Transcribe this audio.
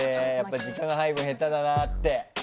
時間配分、下手だなって。